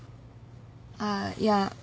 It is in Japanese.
あっいや。